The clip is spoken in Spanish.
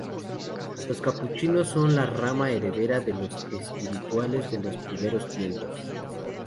Los capuchinos son la rama heredera de los espirituales de los primeros tiempos.